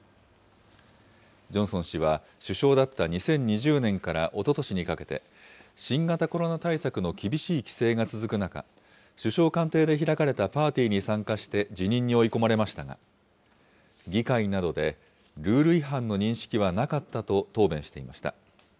ジョンソン氏は首相だった２０２０年からおととしにかけて、新型コロナ対策の厳しい規制が続く中、首相官邸で開かれたパーティーに参加して辞任に追い込まれましたが、議会などでルール違反の認識はなかったと答弁していました。